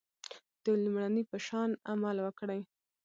د لومړني په شان عمل وکړئ.